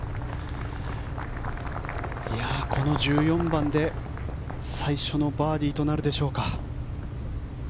この１４番で最初のバーディーとなるでしょうか。